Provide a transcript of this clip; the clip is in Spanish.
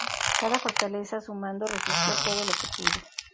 Cada fortaleza a su mando resistió todo lo que pudo.